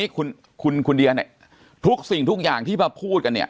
เอาอย่างงี้คุณคุณคุณเดี๋ยวไหนทุกสิ่งทุกอย่างที่พอพูดกันเนี้ย